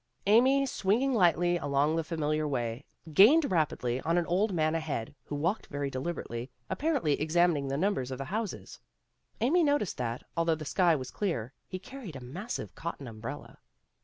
Amy, swinging lightly along the familiar way, gained rapidly on an old man ahead who walked very deliberately, apparently ex amining the numbers of the houses. Amy noticed that, although the sky was clear, he carried a massive cotton umbrella.